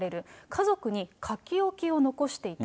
家族に書き置きを残していた。